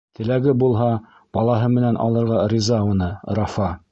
Теләге булһа, балаһы менән алырға риза уны Рафа.